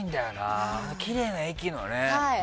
あのきれいな駅のね。